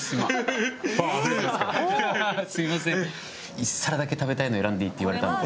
一皿だけ食べたいの選んでいいって言われたので。